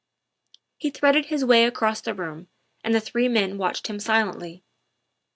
He threaded his way across the room, and the three men watched him silently.